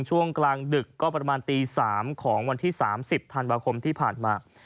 ช่วงกลางดึกก็ประมาณตี๓ของวันที่๓๐ธันวาคมที่ผ่านมา